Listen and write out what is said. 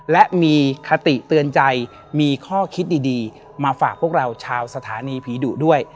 และมีคติเตือนใจมีข้อคิดดีมาฝากพวกเราชาวสถานีผีดุด้วย